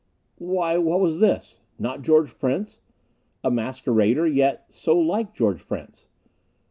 Why, what was this? Not George Prince? A masquerader, yet so like George Prince.